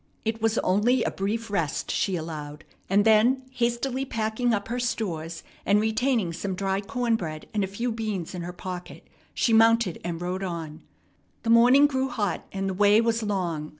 It was only a brief rest she allowed; and then, hastily packing up her stores, and retaining some dry corn bread and a few beans in her pocket, she mounted and rode on. The morning grew hot, and the way was long.